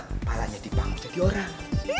kepalanya dipanggung jadi orang